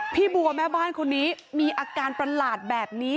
พี่บัวแม่บ้านคนนี้มีอาการประหลาดแบบนี้